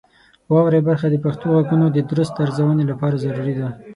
واورئ برخه د پښتو غږونو د درست ارزونې لپاره ضروري ده.